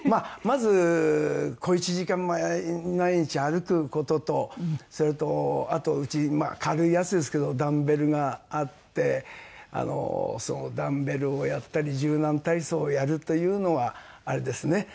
まず小一時間毎日歩く事とそれとあと家に軽いやつですけどダンベルがあってそのダンベルをやったり柔軟体操をやるというのはあれですね。